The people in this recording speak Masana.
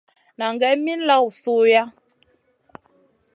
Nan gai min lawn suiʼa.